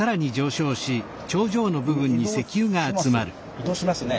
移動しますよね。